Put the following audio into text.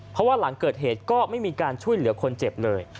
เพราะว่าหลังเกิดเหตุก็ไม่มีการช่วยเหลือคนเจ็บเลย